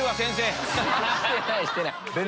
してないしてない！